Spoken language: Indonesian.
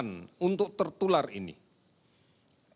yang tidak bergantung untuk mencari penyakit